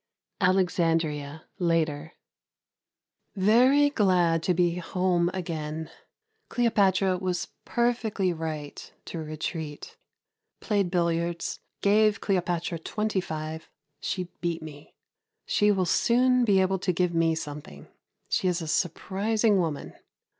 Alexandria, later. Very glad to be home again. Cleopatra was perfectly right to retreat. Played billiards. Gave Cleopatra 25. She beat me. She will soon be able to give me something. She is a surprising woman.